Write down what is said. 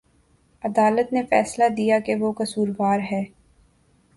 عدالت نے فیصلہ دیا کہ وہ قصوروار ہے